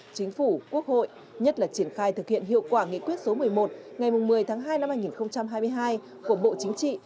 chính phủ quốc hội nhất là triển khai thực hiện hiệu quả nghị quyết số một mươi một ngày một mươi tháng hai năm hai nghìn hai mươi hai của bộ chính trị